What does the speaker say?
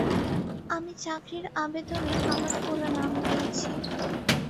আমি চাকরির আবেদনে আমার পুরো নাম দিয়েছি।